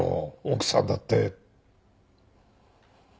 奥さんだって。